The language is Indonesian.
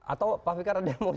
atau pak fikar ada mau